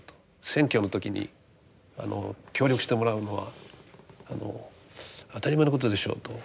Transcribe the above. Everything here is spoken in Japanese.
選挙の時に協力してもらうのは当たり前のことでしょうと。